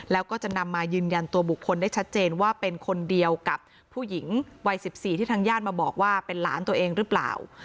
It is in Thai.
แล้วก็จะนำมายืนยันตัวบุคคลได้ชัดเจนว่าเป็นคนเดียวกับผู้หญิงวัย๑๔ที่ทางญาติมาบอกว่าเป็นหลานตัวเองหรือเปล่า